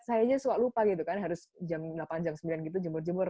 sayanya suak lupa gitu kan harus jam delapan jam sembilan gitu jemur jemur